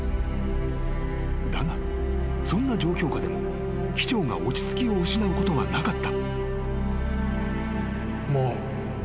［だがそんな状況下でも機長が落ち着きを失うことはなかった］